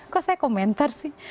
kok saya komentar sih